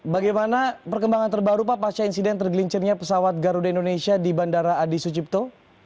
bagaimana perkembangan terbaru pak pasca insiden tergelincirnya pesawat garuda indonesia di bandara adi sucipto